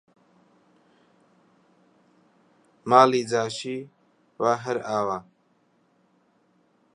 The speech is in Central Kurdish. ماڵی جاشی وا هەر ئاوا!